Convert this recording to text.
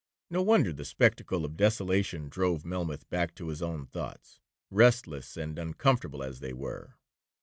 —No wonder the spectacle of desolation drove Melmoth back to his own thoughts, restless and uncomfortable as they were.